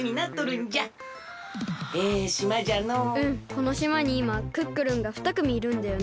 このしまにいまクックルンがふたくみいるんだよね。